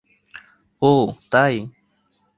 ওহ, তাই?